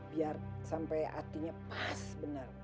biar sampai hatinya pas benar